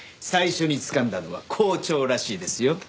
最初につかんだのは公調らしいですよ。